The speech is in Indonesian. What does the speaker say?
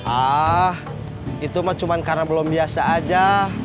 ah itu mah cuma karena belum biasa aja